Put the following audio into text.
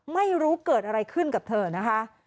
ไม่รู้เกิดอะไรขึ้นกับเธอนะคะ